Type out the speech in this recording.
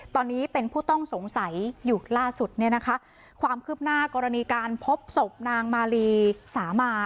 ตอนนี้เป็นผู้ต้องสงสัยอยู่ล่าสุดเนี่ยนะคะความคืบหน้ากรณีการพบศพนางมาลีสามา